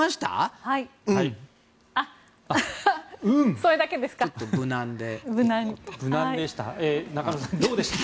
それだけですか。